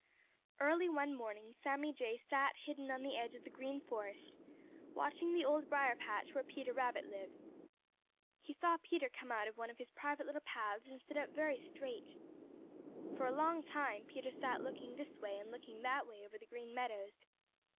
Early one morning, Sammy Jay sat hidden on the edge of the Green Forest, watching the Old Briar patch where Peter Rabbit lives. He saw Peter come out of one of his private little paths and sit up very straight. For a long time Peter sat looking this way and looking that way over the Green Meadows.